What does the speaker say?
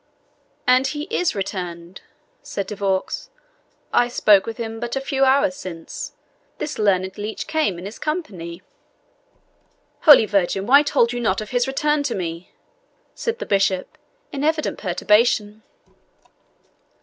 "And he IS returned," said De Vaux. "I spoke with him but a few hours since. This learned leech came in his company." "Holy Virgin! why told you not of his return to me?" said the bishop, in evident perturbation.